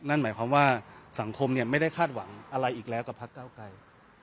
นั่นหมายความว่าสังคมไม่ได้คาดหวังอะไรอีกแล้วกับพักเก้าไกร